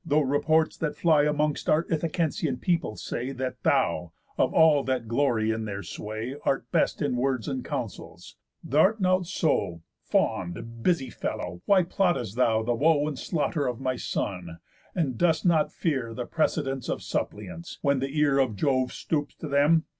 Though reports that fly Amongst our Ithacensian people say That thou, of all that glory in their sway, Art best in words and counsels, th' art not so. Fond, busy fellow, why plott'st thou the woe And slaughter of my son, and dost not fear The presidents of suppliants, when the ear Of Jove stoops to them?